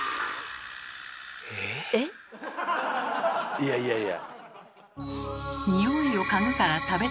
いやいやいや。